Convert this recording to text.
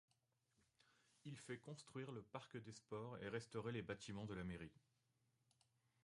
Il fait construire le Parc des sports et restaurer les bâtiments de la mairie.